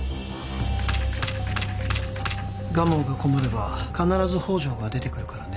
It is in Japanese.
蒲生が困れば必ず宝条が出てくるからね